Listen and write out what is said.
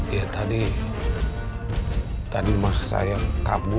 ya tadi tadi mah saya kabur